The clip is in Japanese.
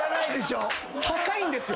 高いんですよ。